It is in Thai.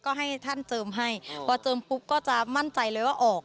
ก็ให้ท่านเติมให้พอเจิมปุ๊บก็จะมั่นใจเลยว่าออก